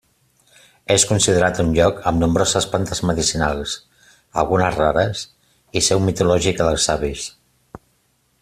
És considerat un lloc amb nombroses plantes medicinals, algunes rares, i seu mitològica dels savis.